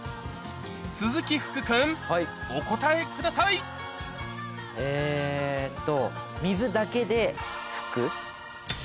鈴木福君お答えくださいえっと。